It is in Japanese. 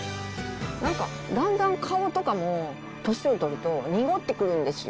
なんかだんだん顔とかも、年を取ると濁ってくるんですよ。